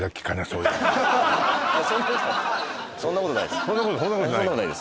そんなことない？